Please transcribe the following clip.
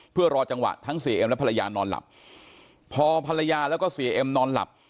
เพื่อรอจังหวะทั้งเสียเอ็มและภรรยานอนหลับพอภรรยาแล้วก็เสียเอ็มนอนหลับ